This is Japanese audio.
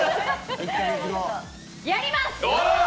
やります！